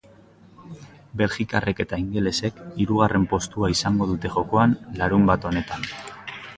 Belgikarrek eta ingelesek hirugarren postua izango dute jokoan larunbat honetan.